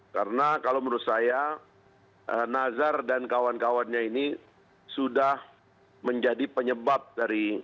karena kalau menurut saya nazar dan kawan kawannya ini sudah menjadi penyebab dari